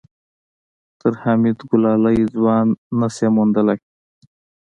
تر حميد ګلالی ځوان نه شې موندلی.